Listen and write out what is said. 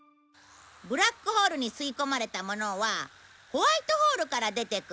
ブラックホールに吸い込まれたものはホワイトホールから出てくる。